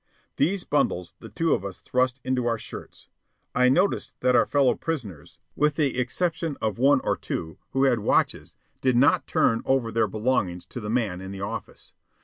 These bundles the two of us thrust into our shirts. I noticed that our fellow prisoners, with the exception of one or two who had watches, did not turn over their belongings to the man in the office.